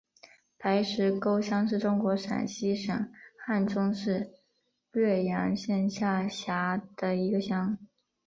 白石沟乡是中国陕西省汉中市略阳县下辖的一个乡。